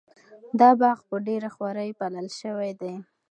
دا باغ په ډېره خواري پالل شوی دی.